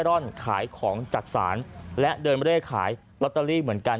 ร่อนขายของจักษานและเดินเร่ขายลอตเตอรี่เหมือนกัน